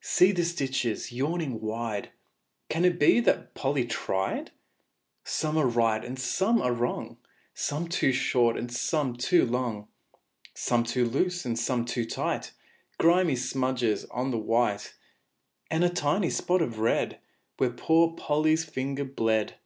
See the stitches yawning wide Can it be that Polly tried? Some are right and some are wrong, Some too short and some too long, Some too loose and some too tight; Grimy smudges on the white, And a tiny spot of red, Where poor Polly's finger bled.